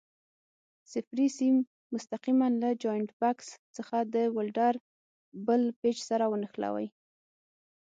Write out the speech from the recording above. صفري سیم مستقیماً له جاینټ بکس څخه د ولډر بل پېچ سره ونښلوئ.